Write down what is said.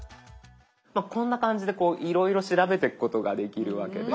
こんな感じでいろいろ調べていくことができるわけです。